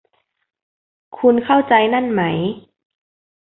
คุณเข้าใจนั่นไหม